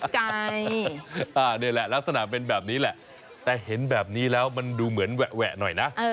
นี่แหละลักษณะเป็นแบบนี้แหละแต่เห็นแบบนี้แล้วมันดูเหมือนแหวะหน่อยนะ